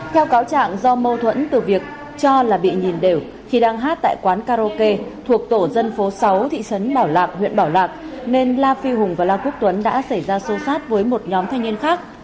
theo cáo trạng do mâu thuẫn từ việc cho là bị nhìn đều khi đang hát tại quán karaoke thuộc tổ dân phố sáu thị trấn bảo lạc huyện bảo lạc nên la phi hùng và la quốc tuấn đã xảy ra xô xát với một nhóm thanh niên khác